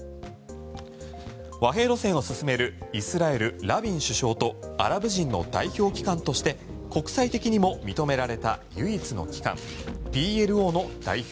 和平路線を進めるイスラエル、ラビン首相とアラブ人の代表機関として国際的にも認められた唯一の機関、ＰＬＯの代表